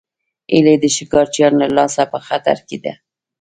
هیلۍ د ښکارچیانو له لاسه په خطر کې ده